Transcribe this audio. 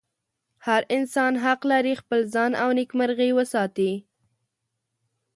هر انسان حق لري خپل ځان او نېکمرغي وساتي.